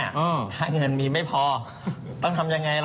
ถ้าเงินมีไม่พอต้องทำยังไงล่ะ